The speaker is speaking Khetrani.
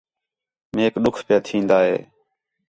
میک ݙُکھ پِیا تِھین٘دا ہِے